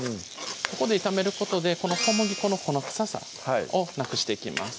ここで炒めることでこの小麦粉の粉臭さをなくしていきます